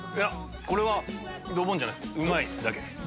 これはドボンじゃないっすうまいだけです。